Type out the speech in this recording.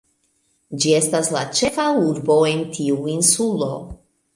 Ĝi estas la ĉefa urbo en tiu insulo.